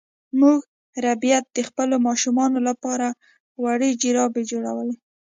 مور ربیټ د خپلو ماشومانو لپاره وړې جرابې جوړولې